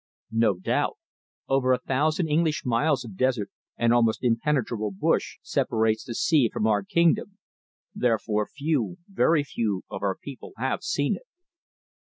"No doubt. Over a thousand English miles of desert and almost impenetrable bush separates the sea from our kingdom, therefore few, very few of our people have seen it."